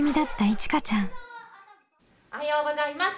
おはようございます。